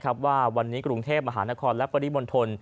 คาดการณ์ว่าวันนี้กรุงเทพฯมหานครและปริมณฑล